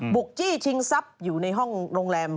บุกจี้ชิงซับอยู่ในห้องโรงแรม